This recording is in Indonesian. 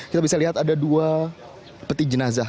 kita bisa lihat ada dua peti jenazah